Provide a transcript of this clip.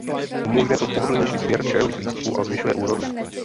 Umožňuje to pohodlnější sběr čajových lístků a zvyšuje úrodu.